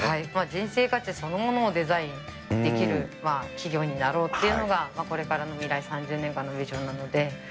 人生価値そのものをデザインできる企業になろうっていうのが、これからの未来３０年間のビジョンなので。